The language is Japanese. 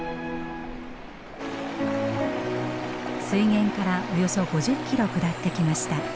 水源からおよそ５０キロ下ってきました。